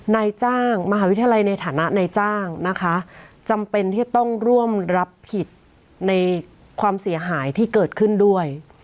นายจ้างมหาวิทยาลัยในฐานะนายจ้างนะคะจำเป็นที่จะต้องร่วมรับผิดในความเสียหายที่เกิดขึ้นด้วย